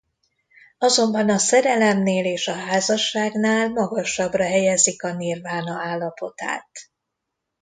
Azonban a szerelemnél és a házasságnál magasabbra helyezik a nirvána állapotát.